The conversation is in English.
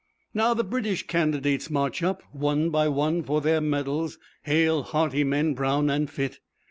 Now the British candidates march up one by one for their medals, hale, hearty men, brown and fit.